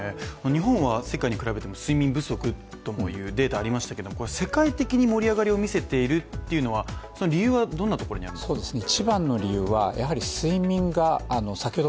日本は世界に比べても睡眠不足というデータがありましたけれども世界的に盛り上がりを見せているというのはどういうところに理由があるんでしょう？